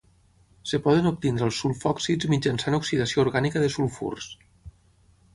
Es poden obtenir els sulfòxids mitjançant oxidació orgànica de sulfurs.